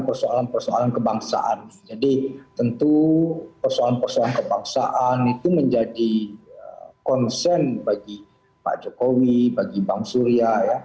persoalan persoalan kebangsaan jadi tentu persoalan persoalan kebangsaan itu menjadi konsen bagi pak jokowi bagi bang surya